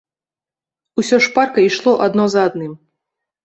Усё шпарка ішло адно за адным.